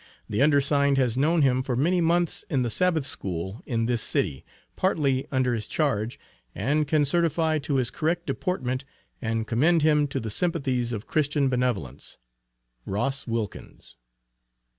The undersigned has known him for many months in the Sabbath School in this City, partly under his charge, and can certify to his correct deportment, and commend him to the sympathies of Christian benevolence. ROSS WILKINS.